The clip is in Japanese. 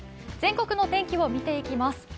全国の天気を見ていきます。